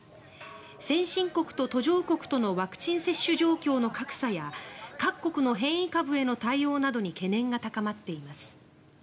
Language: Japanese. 先進国と途上国とのワクチン接種状況の格差や各国の変異株への対応などに懸念が高まっています。